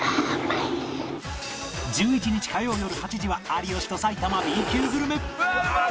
１１日火曜よる８時は有吉と埼玉 Ｂ 級グルメ